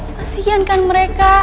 kesian kan mereka